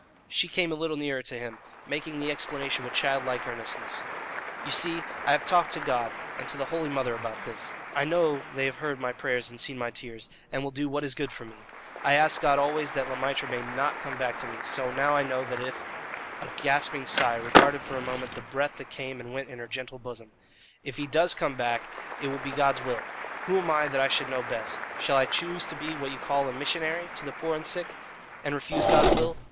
She came a little nearer to him, making the explanation with child like earnestness: "You see, I have talked to God and to the holy Mother about this. I know they have heard my prayers and seen my tears, and will do what is good for me. I ask God always that Le Maître may not come back to me, so now I know that if" (a gasping sigh retarded for a moment the breath that came and went in her gentle bosom) "if he does come back it will be God's will. Who am I that I should know best? Shall I choose to be what you call a 'missionary' to the poor and sick and refuse God's will?